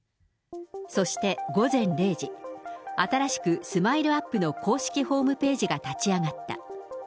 そして午前０時、新しくＳＭＩＬＥーＵＰ．の公式ホームページが立ち上がった。